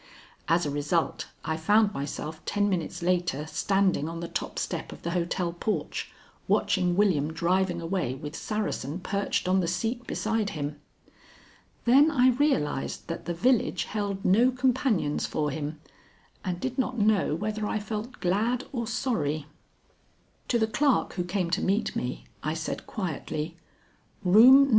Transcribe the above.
As a result, I found myself ten minutes later standing on the top step of the hotel porch, watching William driving away with Saracen perched on the seat beside him. Then I realized that the village held no companions for him, and did not know whether I felt glad or sorry. To the clerk who came to meet me, I said quietly, "Room No.